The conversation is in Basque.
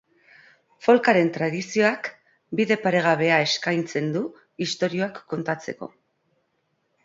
Folkaren tradizioak bide paregabea eskaintzen du istorioak kontatzeko.